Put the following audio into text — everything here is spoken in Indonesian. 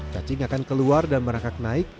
cacing akan keluar dan merangkak naik